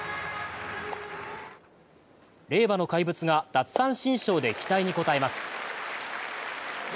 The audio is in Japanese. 令和の怪物が奪三振ショーで期待に応えます。